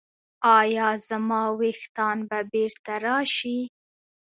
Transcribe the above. ایا زما ویښتان به بیرته راشي؟